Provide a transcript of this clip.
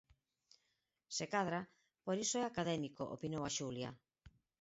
–Se cadra, por iso é académico –opinou a Xulia.